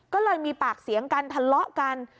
ก็เลยมีปากเสียงกันทะเลาะกัน